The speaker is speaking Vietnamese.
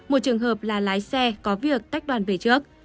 một trường hợp là lái xe có việc tách đoàn về trước